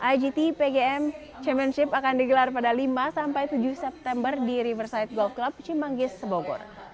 igt pgm championship akan digelar pada lima sampai tujuh september di riverside gold club cimanggis sebogor